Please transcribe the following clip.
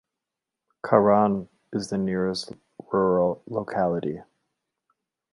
Karan is the nearest rural locality.